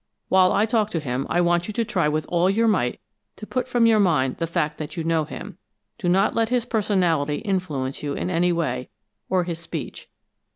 While I talk to him, I want you to try with all your might to put from your mind the fact that you know him. Do not let his personality influence you in any way, or his speech.